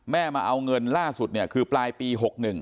มาเอาเงินล่าสุดเนี่ยคือปลายปี๖๑